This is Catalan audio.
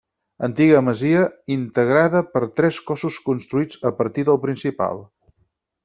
Antiga masia integrada per tres cossos construïts a partir del principal.